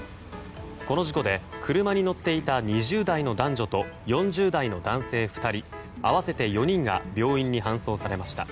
この事故で車に乗っていた２０代の男女と４０代の男性２人合わせて４人が病院に搬送されました。